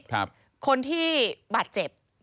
คนที่บาดเจ็บ